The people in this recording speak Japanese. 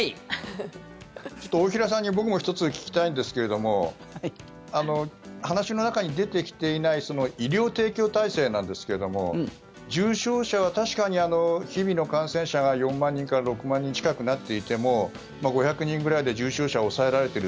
ちょっと、大平さんに僕も１つ聞きたいんですけれども話の中に出てきていない医療提供体制なんですけども重症者は確かに日々の感染者が４万人から６万人近くなっていても５００人ぐらいで重症者は抑えられている。